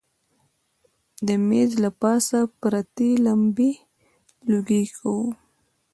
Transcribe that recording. د مېز له پاسه پرتې لمبې لوګی کاوه.